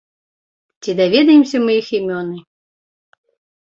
Ці даведаемся мы іх імёны?